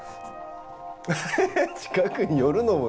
ハハハ近くに寄るのもね。